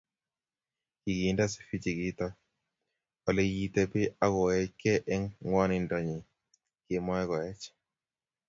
Kikinde Sifichi kitok Ole kitebee akowechwechkei eng ngwonindonyi kemoi Koech